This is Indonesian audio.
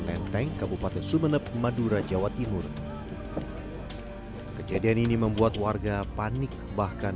menteng kabupaten sumeneb madura jawa timur kejadian ini membuat warga panik bahkan